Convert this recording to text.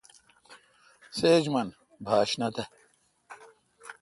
سیچ من ۔بھاش نہ تہ۔